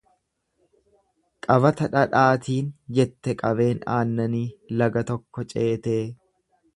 Qabata dhadhaatiin jette qabeen aannanii laga tokko ceetee.